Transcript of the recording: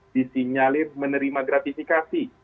disinyalir menerima gratifikasi